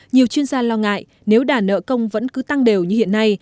nhiều chuyên gia lo ngại nếu đà nợ công vẫn cứ tăng đều như hiện nay